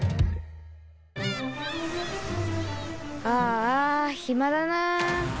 ああひまだな。